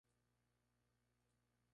Sin embargo, la iniciativa fue rechazada.